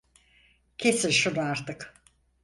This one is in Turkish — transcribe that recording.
Kesin şunu artık!